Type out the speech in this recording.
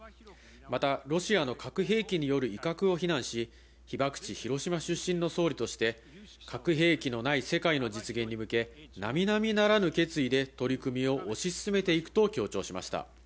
またロシアの核兵器による威嚇を非難し、被爆地・広島出身の総理として、核兵器のない世界の実現に向け、並々ならぬ決意で取り組みを推し進めていくと強調しました。